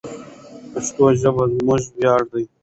پښتو ژبه زموږ ویاړ دی.